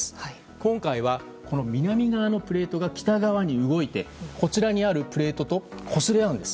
今回は南側のプレートが北側に動いてこちらにあるプレートとこすれ合うんです。